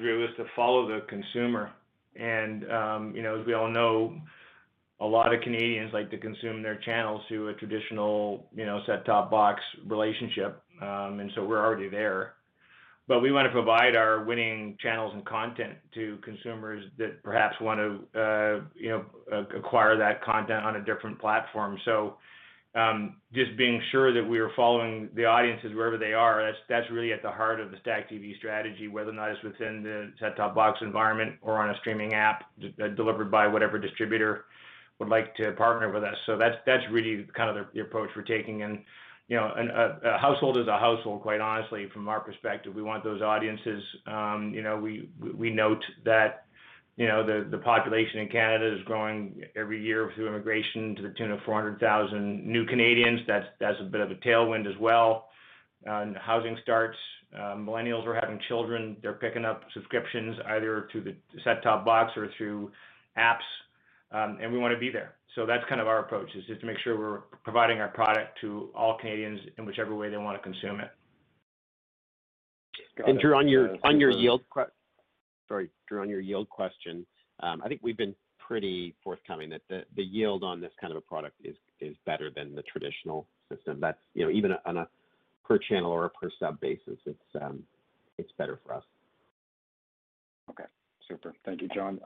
Drew, is to follow the consumer. You know, as we all know, a lot of Canadians like to consume their channels through a traditional, you know, set-top box relationship. We're already there. We wanna provide our winning channels and content to consumers that perhaps wanna, you know, acquire that content on a different platform. Just being sure that we are following the audiences wherever they are, that's really at the heart of the STACKTV strategy, whether or not it's within the set-top box environment or on a streaming app delivered by whatever distributor would like to partner with us. That's really kind of the approach we're taking and, you know, a household is a household, quite honestly. From our perspective, we want those audiences. You know, we note that the population in Canada is growing every year through immigration to the tune of 400,000 new Canadians. That's a bit of a tailwind as well. Housing starts, millennials are having children, they're picking up subscriptions either to the set-top box or through apps, and we wanna be there. That's kind of our approach, is just to make sure we're providing our product to all Canadians in whichever way they wanna consume it. Got it. Sorry, Drew, on your yield question. I think we've been pretty forthcoming that the yield on this kind of a product is better than the traditional system. That's, you know, even on a per channel or a per sub basis, it's better for us. Okay. Super. Thank you, John.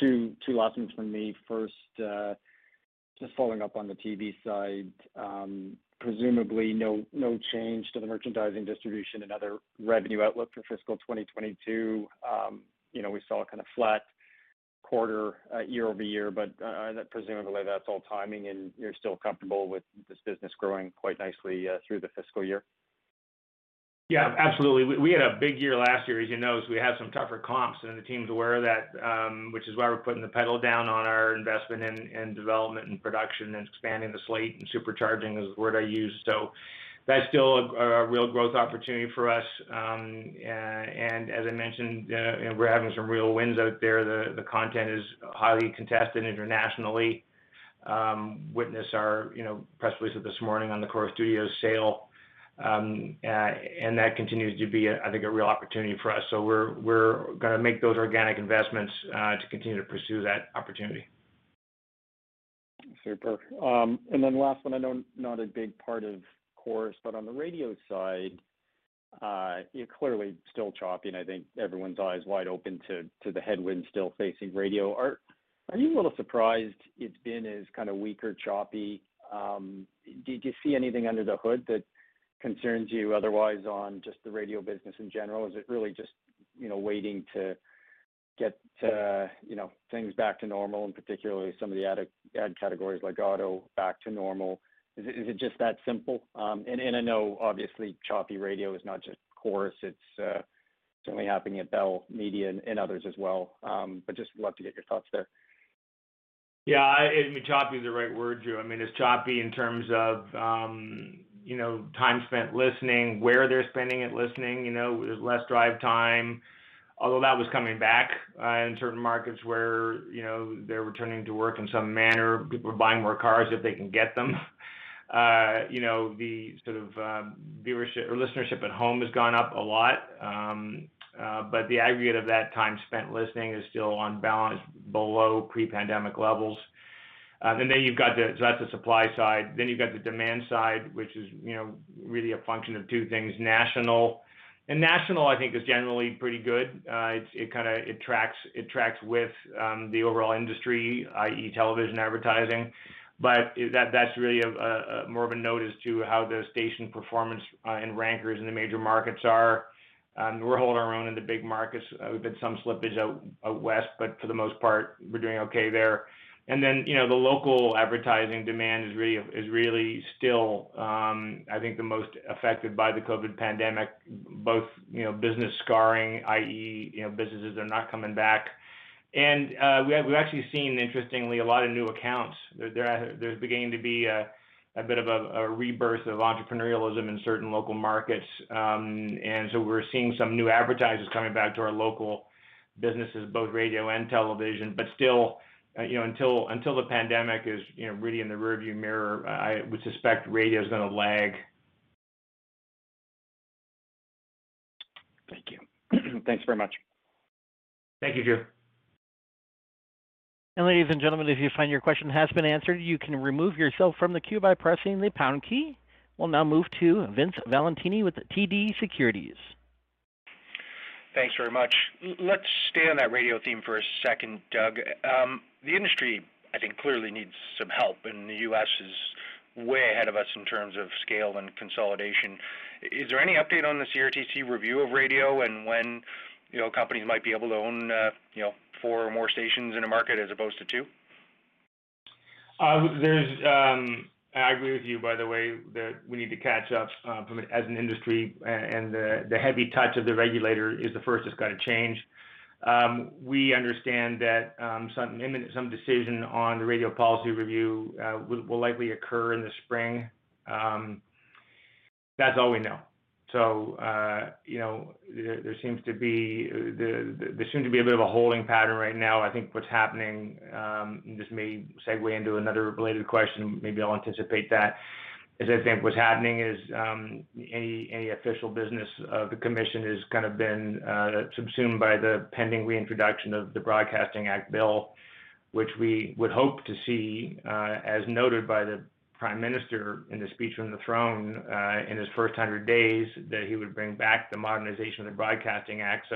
Two last ones from me. First, just following up on the TV side. Presumably, no change to the merchandising distribution and other revenue outlook for fiscal 2022. You know, we saw a kind of flat quarter, year-over-year, but presumably that's all timing, and you're still comfortable with this business growing quite nicely through the fiscal year. Yeah, absolutely. We had a big year last year, as you know, so we have some tougher comps, and the team's aware of that, which is why we're putting the pedal down on our investment in development and production and expanding the slate, and supercharging is the word I use. So that's still a real growth opportunity for us. And as I mentioned, you know, we're having some real wins out there. The content is highly contested internationally. Witness our, you know, press release of this morning on the Corus Studios sale. And that continues to be, I think, a real opportunity for us. So we're gonna make those organic investments to continue to pursue that opportunity. Super. Then last one, I know not a big part of Corus, but on the radio side, you're clearly still choppy, and I think everyone's eyes wide open to the headwinds still facing radio. Are you a little surprised it's been as kinda weaker, choppy? Do you see anything under the hood that concerns you otherwise on just the radio business in general? Is it really just you know waiting to get to you know things back to normal, and particularly some of the ad categories like auto back to normal? Is it just that simple? I know obviously choppy radio is not just Corus. It's certainly happening at Bell Media and others as well. Just love to get your thoughts there. Yeah, I mean, choppy is the right word, Drew. I mean, it's choppy in terms of, you know, time spent listening, where they're spending it listening, you know. There's less drive time, although that was coming back in certain markets where, you know, they're returning to work in some manner. People are buying more cars if they can get them. You know, the sort of viewership or listenership at home has gone up a lot. But the aggregate of that time spent listening is still on balance below pre-pandemic levels. That's the supply side. You've got the demand side, which is, you know, really a function of two things. National, and National I think is generally pretty good. It's kinda, it tracks with the overall industry, i.e., television advertising. That's really more of a notice to how the station performance and rankings in the major markets are. We're holding our own in the big markets. We've had some slippage out West, but for the most part, we're doing okay there. You know, the local advertising demand is really still, I think the most affected by the COVID pandemic, both, you know, business scarring, i.e., you know, businesses are not coming back. We've actually seen, interestingly, a lot of new accounts. There's beginning to be a bit of a rebirth of entrepreneurialism in certain local markets. We're seeing some new advertisers coming back to our local businesses, both radio and television. Still, you know, until the pandemic is, you know, really in the rearview mirror, I would suspect radio's gonna lag. Thank you. Thanks very much. Thank you, Drew. Ladies and gentlemen, if you find your question has been answered, you can remove yourself from the queue by pressing the pound key. We'll now move to Vince Valentini with TD Securities. Thanks very much. Let's stay on that radio theme for a second, Doug. The industry, I think, clearly needs some help, and the U.S. is way ahead of us in terms of scale and consolidation. Is there any update on the CRTC review of radio and when, you know, companies might be able to own, you know, four or more stations in a market as opposed to two? I agree with you, by the way, that we need to catch up as an industry and the heavy touch of the regulator is the first that's gotta change. We understand that some decision on the radio policy review will likely occur in the spring. That's all we know. You know, there seems to be a bit of a holding pattern right now. I think what's happening, and this may segue into another related question, maybe I'll anticipate that, is what's happening is any official business of the commission has kind of been subsumed by the pending reintroduction of the Broadcasting Act bill, which we would hope to see, as noted by the Prime Minister in the Speech from the Throne, in his first 100 days, that he would bring back the modernization of the Broadcasting Act.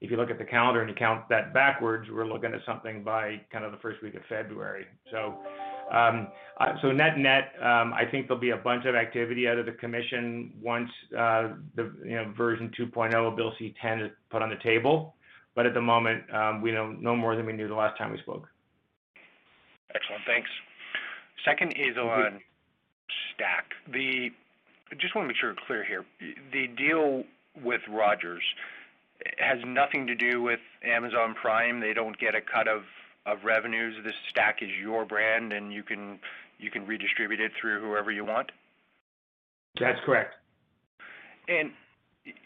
If you look at the calendar and you count that backwards, we're looking at something by kind of the first week of February. Net net, I think there'll be a bunch of activity out of the commission once, you know, version 2.0 of Bill C-10 is put on the table. At the moment, we know no more than we knew the last time we spoke. Excellent. Thanks. Second is on Stack. I just wanna make sure we're clear here. The deal with Rogers has nothing to do with Amazon Prime. They don't get a cut of revenues. The Stack is your brand, and you can redistribute it through whoever you want. That's correct.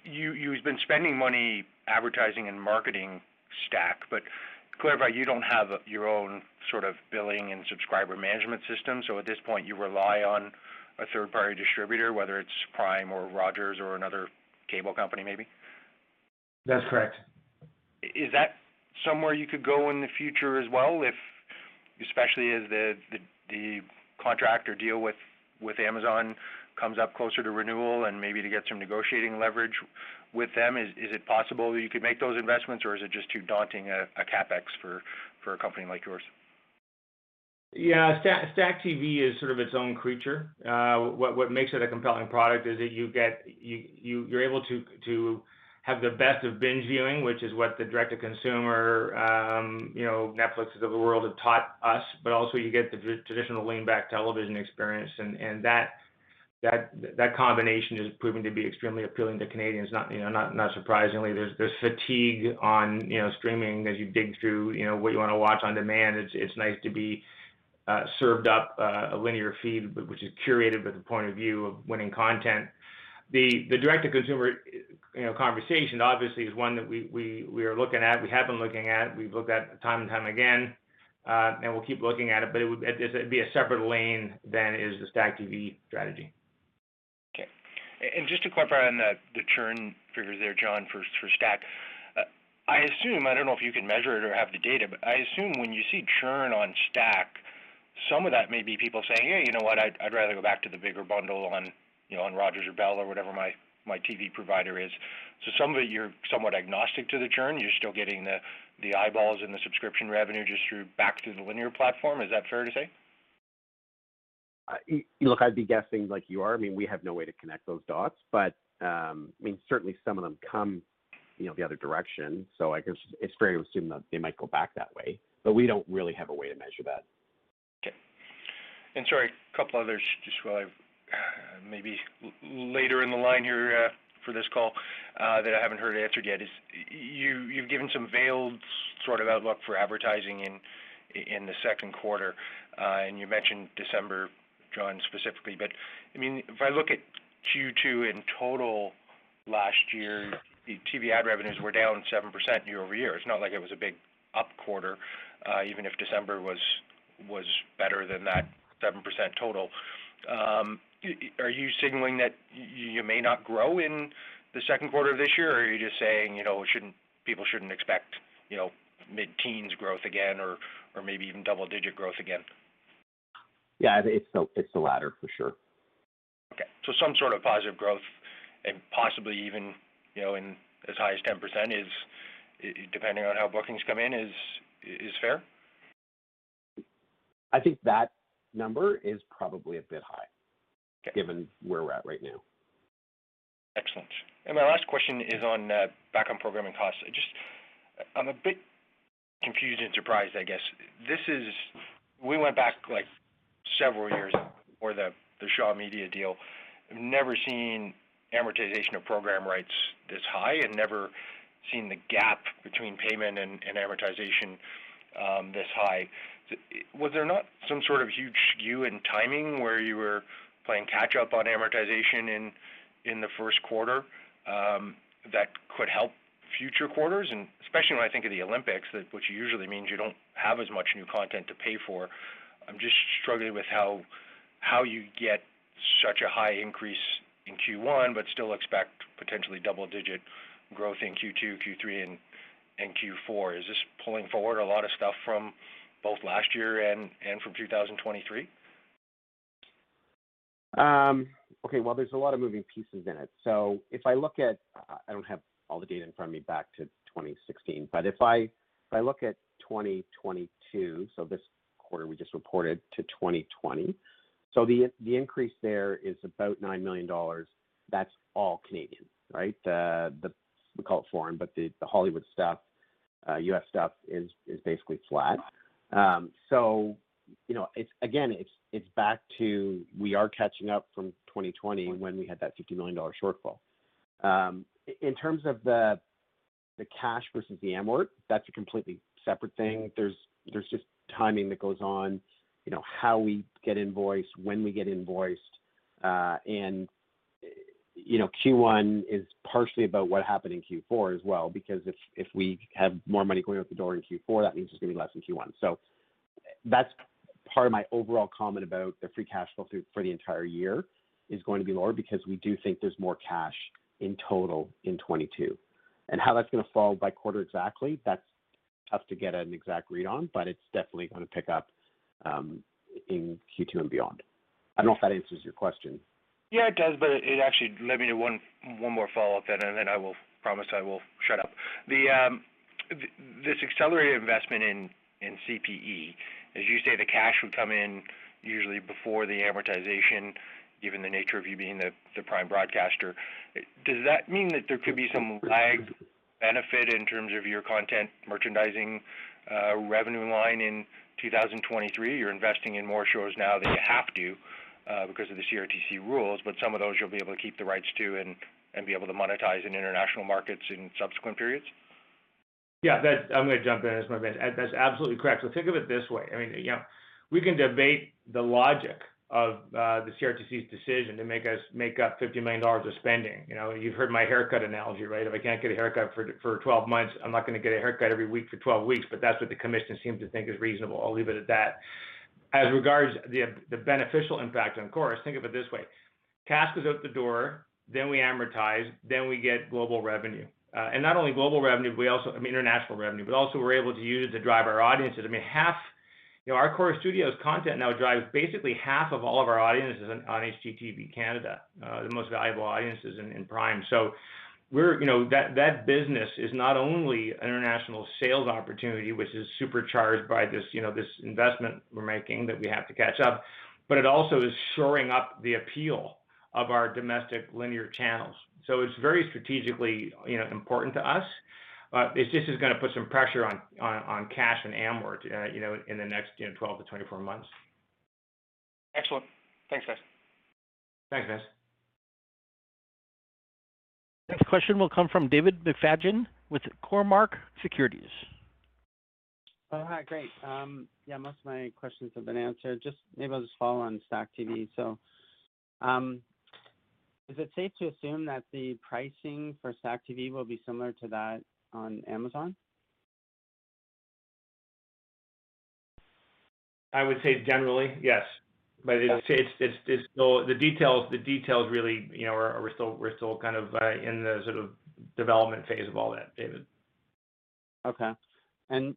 You've been spending money advertising and marketing Stack, but clarify, you don't have your own sort of billing and subscriber management system. At this point, you rely on a third-party distributor, whether it's Prime or Rogers or another cable company, maybe. That's correct. Is that somewhere you could go in the future as well if especially as the contract or deal with Amazon comes up closer to renewal and maybe to get some negotiating leverage with them. Is it possible that you could make those investments, or is it just too daunting a CapEx for a company like yours? Yeah. STACKTV is sort of its own creature. What makes it a compelling product is that you're able to have the best of binge viewing, which is what the direct to consumer, you know, Netflixes of the world have taught us. You also get the traditional lean back television experience and that combination is proving to be extremely appealing to Canadians, you know, not surprisingly. There's fatigue on streaming as you dig through what you wanna watch on demand. It's nice to be served up a linear feed but which is curated with the point of view of winning content. The direct to consumer conversation obviously is one that we are looking at. We have been looking at. We've looked at time and time again, and we'll keep looking at it, but it would, this would be a separate lane than is the STACKTV strategy. Just to clarify on the churn figures there, John, for Stack. I assume, I don't know if you can measure it or have the data, but I assume when you see churn on Stack, some of that may be people saying, "Hey, you know what? I'd rather go back to the bigger bundle on, you know, on Rogers or Bell or whatever my TV provider is." Some of it you're somewhat agnostic to the churn, you're still getting the eyeballs and the subscription revenue just through back to the linear platform. Is that fair to say? I'd be guessing like you are. I mean, we have no way to connect those dots. I mean, certainly some of them come, you know, the other direction, so I guess it's fair to assume that they might go back that way. We don't really have a way to measure that. Okay. Sorry, a couple others just while I've maybe later in the line here, for this call, that I haven't heard answered yet is you've given some veiled sort of outlook for advertising in the Q2, and you mentioned December, John, specifically. I mean, if I look at Q2 in total last year, the TV ad revenues were down 7% year-over-year. It's not like it was a big up quarter, even if December was better than that 7% total. Are you signaling that you may not grow in the Q2 of this year? Or are you just saying, you know, people shouldn't expect, you know, mid-teens growth again or maybe even double-digit growth again? Yeah. It's the latter for sure. Okay. Some sort of positive growth and possibly even, you know, in as high as 10%, depending on how bookings come in, is fair? I think that number is probably a bit high. Okay. Given where we're at right now. Excellent. My last question is on back on programming costs. Just, I'm a bit confused and surprised, I guess. We went back like several years before the Shaw Media deal. I've never seen amortization of program rights this high and never seen the gap between payment and amortization this high. Was there not some sort of huge skew in timing, where you were playing catch up on amortization in the Q1 that could help future quarters? Especially when I think of the Olympics, that which usually means you don't have as much new content to pay for. I'm just struggling with how you get such a high increase in Q1, but still expect potentially double-digit growth in Q2, Q3, and Q4. Is this pulling forward a lot of stuff from both last year and from 2023? Okay, well, there's a lot of moving parts in it. If I look at, I don't have all the data in front of me back to 2016, but if I look at 2022, this quarter we just reported to 2020. The increase there is about 9 million dollars. That's all Canadian, right? We call it foreign, but the Hollywood stuff, U.S. stuff is basically flat. You know, it's again back to we are catching up from 2020 when we had that 50 million dollar shortfall. In terms of the cash versus the amort, that's a completely separate thing. There's just timing that goes on, you know, how we get invoiced, when we get invoiced. You know, Q1 is partially about what happened in Q4 as well, because if we have more money going out the door in Q4, that means there's gonna be less in Q1. That's part of my overall comment about the free cash flow through for the entire year is going to be lower because we do think there's more cash in total in 2022. How that's gonna fall by quarter exactly, that's tough to get an exact read on, but it's definitely gonna pick up in Q2 and beyond. I don't know if that answers your question. Yeah, it does, but it actually led me to one more follow-up then, and then I will promise I will shut up. This accelerated investment in CPE, as you say, the cash would come in usually before the amortization, given the nature of you being the prime broadcaster. Does that mean that there could be some lagged benefit in terms of your content merchandising revenue line in 2023? You're investing in more shows now than you have to because of the CRTC rules, but some of those you'll be able to keep the rights to and be able to monetize in international markets in subsequent periods. I'm gonna jump in as well, Vince. That's absolutely correct. Think of it this way. I mean, you know, we can debate the logic of the CRTC's decision to make us make up 50 million dollars of spending. You know, you've heard my haircut analogy, right? If I can't get a haircut for 12 months, I'm not gonna get a haircut every week for 12 weeks, but that's what the commission seems to think is reasonable. I'll leave it at that. As regards the beneficial impact on Corus, think of it this way. Cash goes out the door, then we amortize, then we get global revenue. And not only global revenue, we also I mean, international revenue, but also we're able to use it to drive our audiences. I mean, half... You know, our Corus Studios content now drives basically half of all of our audiences on HGTV Canada, the most valuable audiences in Prime. You know, that business is not only an international sales opportunity, which is supercharged by this investment we're making that we have to catch up, but it also is shoring up the appeal of our domestic linear channels. So it's very strategically important to us. It just is gonna put some pressure on cash and amort in the next 12-24 months. Excellent. Thanks, guys. Thanks, guys. Next question will come from David McFadgen with Cormark Securities. Oh, hi. Great. Yeah, most of my questions have been answered. Just maybe I'll just follow on STACKTV. Is it safe to assume that the pricing for STACKTV will be similar to that on Amazon? I would say generally, yes. It's still the details really, you know, we're still kind of in the sort of development phase of all that, David. Okay.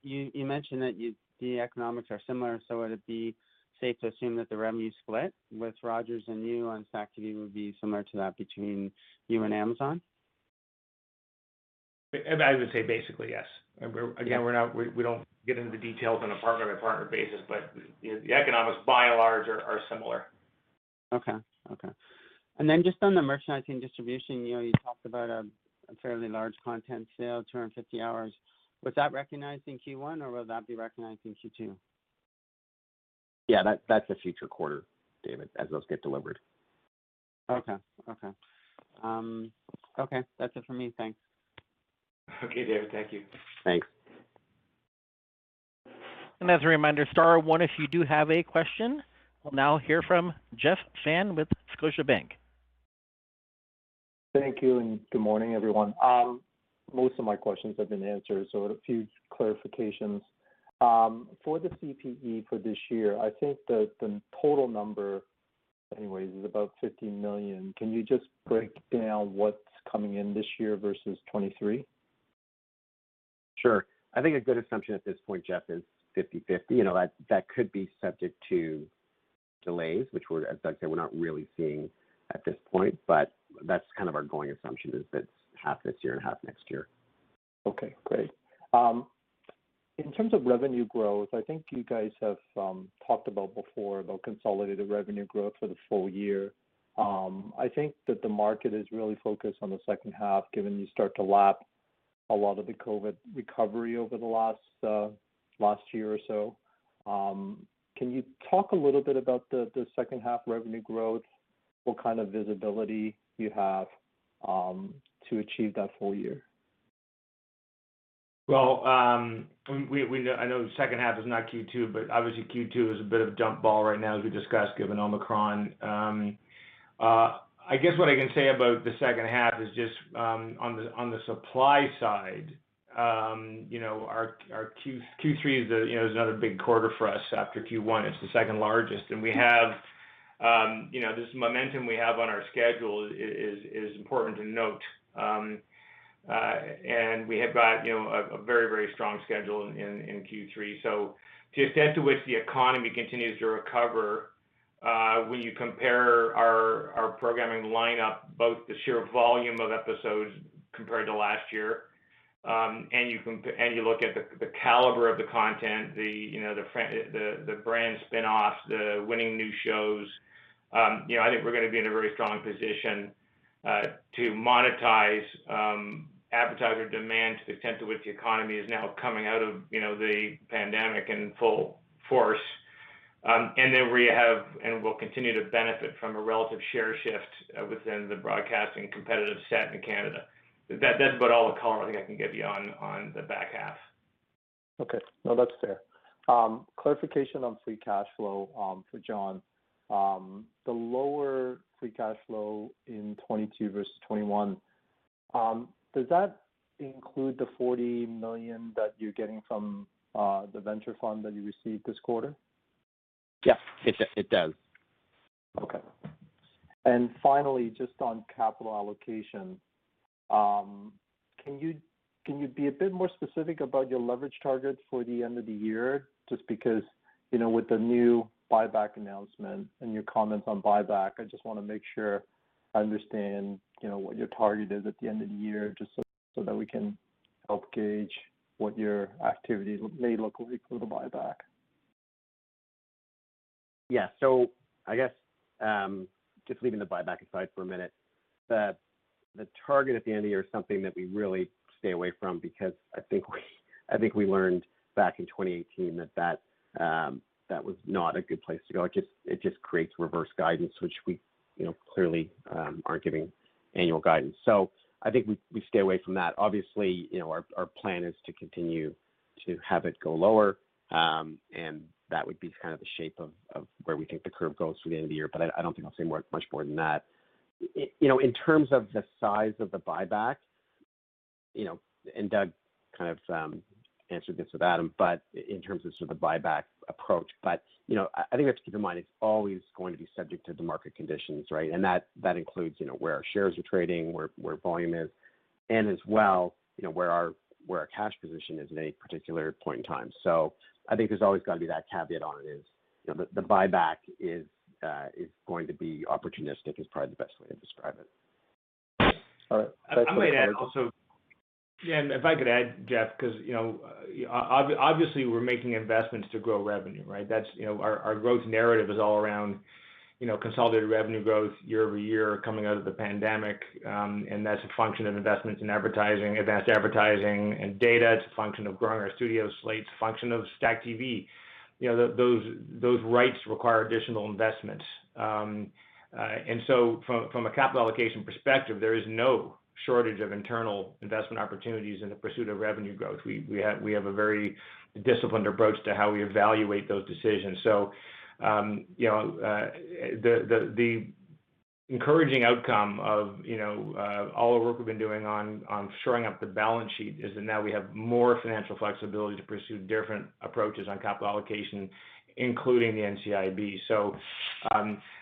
You mentioned that the economics are similar, so would it be safe to assume that the revenues split with Rogers and you on STACKTV would be similar to that between you and Amazon? I would say basically yes. Again, we're not, we don't get into the details on a partner-by-partner basis, but the economics by and large are similar. Okay. Just on the merchandising distribution, you know, you talked about a fairly large content sale, 250 hours. Was that recognized in Q1, or will that be recognized in Q2? Yeah, that's a future quarter, David, as those get delivered. Okay. That's it for me. Thanks. Okay, David. Thank you. Thanks. As a reminder, star one if you do have a question. We'll now hear from Jeff Fan with Scotiabank. Thank you, and good morning, everyone. Most of my questions have been answered, a few clarifications. For the CPE for this year, I think that the total number anyways is about 50 million. Can you just break down what's coming in this year versus 2023? Sure. I think a good assumption at this point, Jeff, is 50/50. You know, that could be subject to delays, which we're, as Doug said, not really seeing at this point. But that's kind of our going assumption is that it's half this year and half next year. Okay, great. In terms of revenue growth, I think you guys have talked about before about consolidated revenue growth for the full year. I think that the market is really focused on the second half, given you start to lap a lot of the COVID recovery over the last year or so. Can you talk a little bit about the second half revenue growth, what kind of visibility you have to achieve that full year? Well, I know second half is not Q2, but obviously Q2 is a bit of a dump ball right now, as we discussed, given Omicron. I guess what I can say about the second half is just on the supply side. You know, our Q3 is, you know, another big quarter for us after Q1. It's the second-largest, and we have you know this momentum we have on our schedule is important to note. We have got you know a very strong schedule in Q3. To the extent to which the economy continues to recover, when you compare our programming lineup, both the sheer volume of episodes compared to last year, and you look at the caliber of the content, you know, the brand spinoffs, the winning new shows, you know, I think we're gonna be in a very strong position to monetize advertiser demand to the extent to which the economy is now coming out of, you know, the pandemic in full force. Then we have and will continue to benefit from a relative share shift within the broadcasting competitive set in Canada. That's about all the color I think I can give you on the back half. Okay. No, that's fair. Clarification on free cash flow for John. The lower free cash flow in 2022 versus 2021, does that include the 40 million that you're getting from the venture fund that you received this quarter? Yes, it does. Okay. Finally, just on capital allocation, can you be a bit more specific about your leverage targets for the end of the year? Just because, you know, with the new buyback announcement and your comments on buyback, I just wanna make sure I understand, you know, what your target is at the end of the year, just so that we can help gauge what your activities may look like for the buyback. I guess just leaving the buyback aside for a minute, the target at the end of year is something that we really stay away from because I think we learned back in 2018 that was not a good place to go. It just creates reverse guidance, which we you know clearly aren't giving annual guidance. I think we stay away from that. Obviously you know our plan is to continue to have it go lower and that would be kind of the shape of where we think the curve goes through the end of the year. I don't think I'll say much more than that. You know, in terms of the size of the buyback, you know, and Doug kind of answered this with Adam. But you know, I think we have to keep in mind it's always going to be subject to the market conditions, right? And that includes, you know, where our shares are trading, where volume is, and as well, you know, where our cash position is at any particular point in time. So I think there's always gotta be that caveat on it, you know, the buyback is going to be opportunistic, is probably the best way to describe it. All right. I might add also. Yeah, if I could add, Jeff, 'cause you know, obviously, we're making investments to grow revenue, right? That's you know, our growth narrative is all around you know, consolidated revenue growth year-over-year coming out of the pandemic, and that's a function of investments in advertising, advanced advertising and data. It's a function of growing our studio slates, a function of STACKTV. You know, those rights require additional investments. From a capital allocation perspective, there is no shortage of internal investment opportunities in the pursuit of revenue growth. We have a very disciplined approach to how we evaluate those decisions. You know, the encouraging outcome of, you know, all the work we've been doing on shoring up the balance sheet is that now we have more financial flexibility to pursue different approaches on capital allocation, including the NCIB.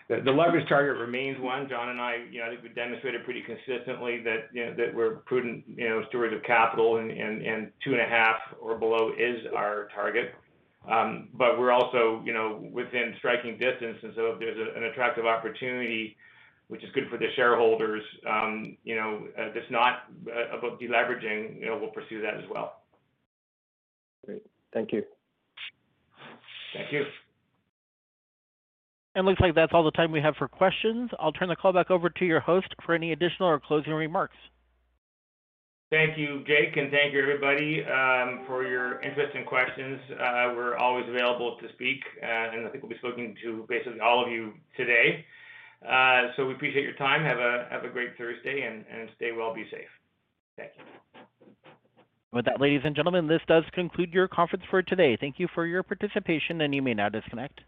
the leverage target remains one. John and I, you know, I think we've demonstrated pretty consistently that, you know, that we're prudent, you know, stewards of capital and 2.5 or below is our target. we're also, you know, within striking distance, and so if there's an attractive opportunity which is good for the shareholders, you know, that's not about deleveraging, you know, we'll pursue that as well. Great. Thank you. Thank you. Looks like that's all the time we have for questions. I'll turn the call back over to your host for any additional or closing remarks. Thank you, Jake, and thank you, everybody, for your interesting questions. We're always available to speak, and I think we'll be speaking to basically all of you today. So we appreciate your time. Have a great Thursday and stay well, be safe. Thank you. With that, ladies and gentlemen, this does conclude your conference for today. Thank you for your participation, and you may now disconnect.